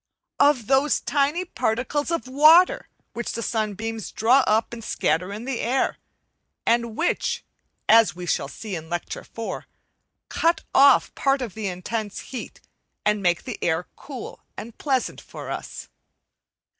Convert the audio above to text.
Of those tiny particles of water which the sunbeams draw up and scatter in the air, and which, as we shall see in Lecture IV, cut off part of the intense heat and make the air cool and pleasant for us.